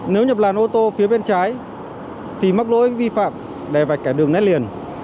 nếu nhập làn ô tô phía bên trái thì mắc lỗi vi phạm đè vạch kẻ đường nét liền